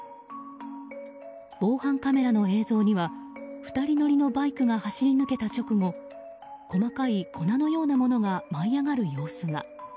防犯カメラの映像には２人乗りのバイクが走り抜けた直後細かい粉のようなものが舞い上がる様子が。